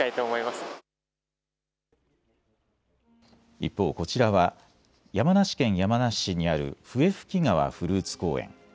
一方こちらは山梨県山梨市にある笛吹川フルーツ公園。